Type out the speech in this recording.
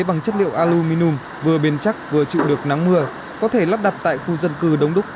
bằng chất liệu aluminum vừa biên chắc vừa chịu được nắng mưa có thể lắp đặt tại khu dân cư đống đúc